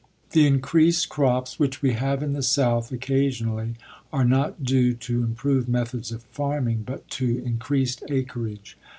The increased crops which we have in the South occasionally, are not due to improved methods of farming, but to increased acreage.